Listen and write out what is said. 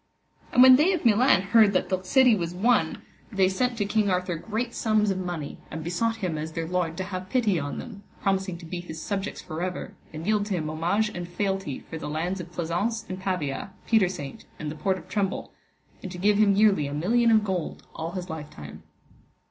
And when they of Milan heard that thilk city was won, they sent to King Arthur great sums of money, and besought him as their lord to have pity on them, promising to be his subjects for ever, and yield to him homage and fealty for the lands of Pleasance and Pavia, Petersaint, and the Port of Tremble, and to give him yearly a million of gold all his lifetime.